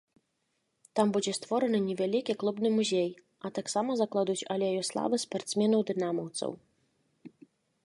Там будзе створаны невялікі клубны музей, а таксама закладуць алею славы спартсменаў-дынамаўцаў.